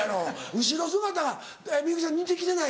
後ろ姿が幸ちゃん似てきてない？